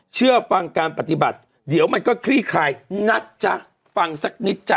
เชื่อฟังการปฏิบัติเดี๋ยวมันก็คลี่คลายนะจ๊ะฟังสักนิดจ้ะ